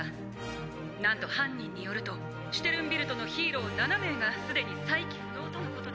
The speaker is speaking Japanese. なんと犯人によるとシュテルンビルトのヒーロー７名が既に再起不能とのことで」。